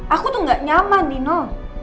aku tuh gak nyaman nino